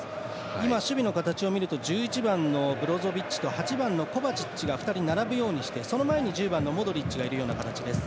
今、守備の形を見ると１１番のブロゾビッチと８番のコバチッチが２人並ぶようにしてその前に１０番のモドリッチがいるような形です。